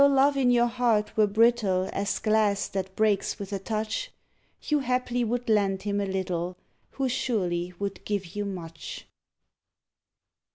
Though love in your heart were brittle As glass that breaks with a touch, You haply would lend him a little Who surely would give you much.